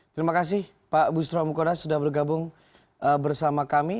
terima kasih pak bustra mukoda sudah bergabung bersama kami